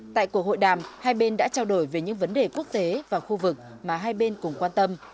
tại cuộc hội đàm hai bên đã trao đổi về những vấn đề quốc tế và khu vực mà hai bên cùng quan tâm